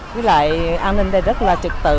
với lại an ninh đây rất là trực tự